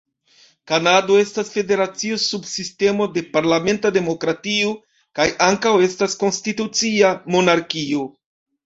Kanado estas federacio sub sistemo de parlamenta demokratio, kaj ankaŭ estas konstitucia monarkio.